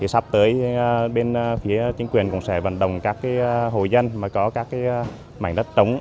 sắp tới bên phía chính quyền cũng sẽ vận động các hộ dân mà có các mảnh đất trống